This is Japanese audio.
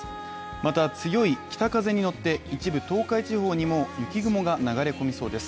また強い北風に乗って一部東海地方にも雪雲が流れ込みそうです。